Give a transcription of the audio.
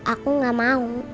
aku gak mau